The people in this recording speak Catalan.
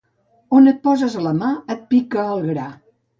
On et poses la mà et pica el gra.